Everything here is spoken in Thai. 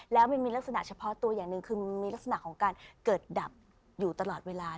แล้วมันมีลักษณะเฉพาะตัวอย่างหนึ่งคือมีลักษณะของการเกิดดับอยู่ตลอดเวลา